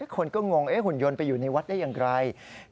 คนก็งงหุ่นยนต์ไปอยู่ในวัดได้อย่างไร